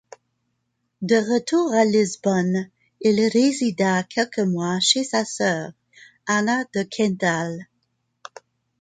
De retour à Lisbonne, il résida quelques mois chez sa sœur, Ana de Quental.